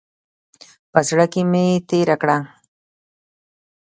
په زړه کې مې تېره کړه.